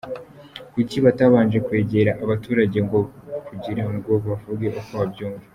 Kuki batabanje kwegera abaturage ngo kugira ngo bavuge uko babyumva?”